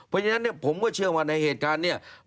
เพราะฉะนั้นผมก็เชื่อว่าในเหตุการณ์เนี่ย